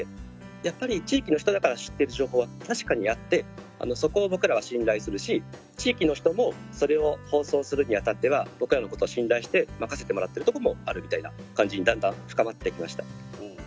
やっぱり地域の人だから知ってる情報は確かにあって、そこを僕らは信頼するし地域の人もそれを放送するにあたっては僕らのことを信頼して任せてもらってるとこもあるみたいな感じにだんだん深まってきました。